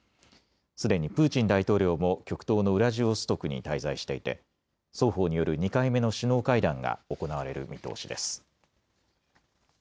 すでにプーチン大統領も極東のウラジオストクに滞在していて双方による２回目の首脳会談が行われる見通しです。